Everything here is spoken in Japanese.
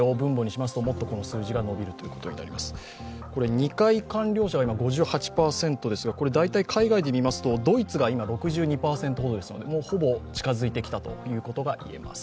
２回完了者が今５８％ですが、海外で見ますと、ドイツが６２％ほどですのでもう、ほぼ近づいてきたということが言えます。